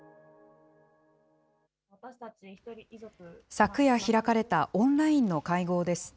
昨夜開かれたオンラインの会合です。